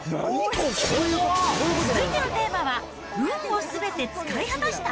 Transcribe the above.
続いてのテーマは運をすべて使い果たした？